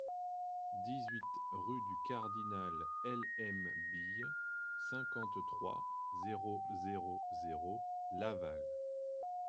dix-huit rue du Cardinal L.M Bille, cinquante-trois, zéro zéro zéro, Laval